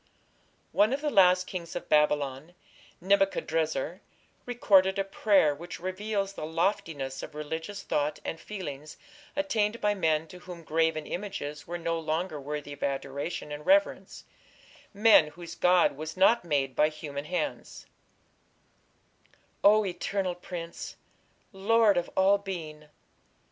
One of the last kings of Babylon, Nebuchadrezzar, recorded a prayer which reveals the loftiness of religious thought and feeling attained by men to whom graven images were no longer worthy of adoration and reverence men whose god was not made by human hands O eternal prince! Lord of all being!